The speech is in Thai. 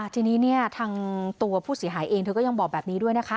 ทีนี้ทางตัวผู้เสียหายเองเธอก็ยังบอกแบบนี้ด้วยนะคะ